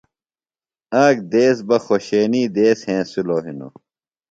آک دیس بہ خوشینی دیس ہینسِلوۡ ہِنوۡ